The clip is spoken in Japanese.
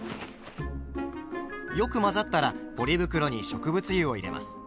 よく混ざったらポリ袋に植物油を入れます。